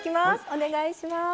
お願いします。